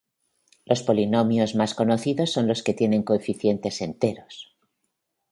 Los polinomios más conocidos son los que tienen coeficientes enteros.